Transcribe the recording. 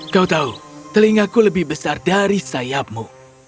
kau tahu telingaku lebih besar dari sayapmu